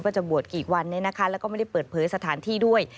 จะบวชกี่วันแล้วก็ไม่ได้เปิดเผยสถานที่ด้วย